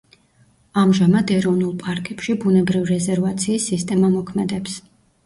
ამჟამად, ეროვნულ პარკებში, ბუნებრივ რეზერვაციის სისტემა მოქმედებს.